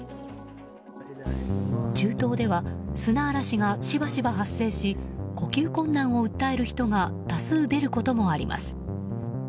中東では砂嵐ばしばしば発生し呼吸困難を訴える人が多数出ることもあります。